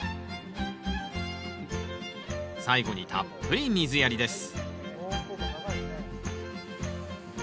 最後にたっぷり水やりです